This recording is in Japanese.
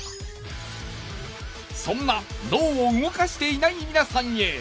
そんな脳を動かしていない皆さんへ。